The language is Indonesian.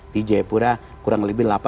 di jayapura kurang lebih